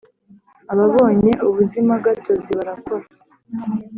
Ababonye ubuzimagatozi barakora